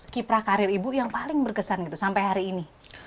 kiprah karir ibu yang paling berkesan gitu sampai hari ini